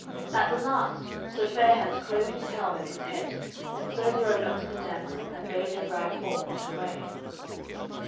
At the last Sir Fair hands clove his helm and his head, and so rode unto the damsel and bade her ride forth on her way.